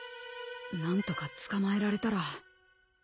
何とか捕まえられたら。